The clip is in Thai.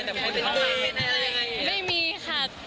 สแกนแบบคนเป็นใครยังไง